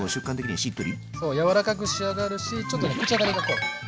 何かこうそうやわらかく仕上がるしちょっとね口当たりがしっとり。